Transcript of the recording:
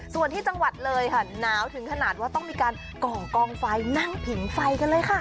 ส่วนที่จังหวัดเลยค่ะหนาวถึงขนาดว่าต้องมีการก่อกองไฟนั่งผิงไฟกันเลยค่ะ